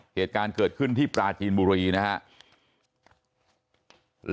เหตุการณ์เกิดขึ้นที่ปราจีนบุรีนะครับ